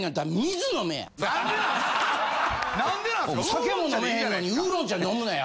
酒も飲めへんのにウーロン茶飲むなや！